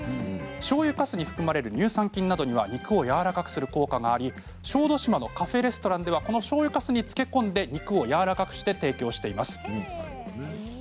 しょうゆかすに含まれる乳酸菌などには肉をやわらかくする効果があり小豆島のカフェレストランではしょうゆかすに漬け込んで肉をやわらかくして提供しています。